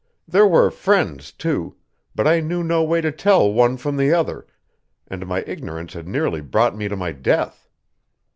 There were friends, too, but I knew no way to tell one from the other, and my ignorance had nearly brought me to my death.